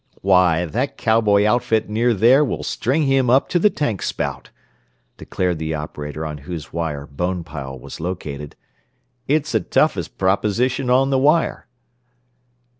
"Why, that cowboy outfit near there will string him up to the tank spout," declared the operator on whose wire Bonepile was located. "It's the toughest proposition on the wire."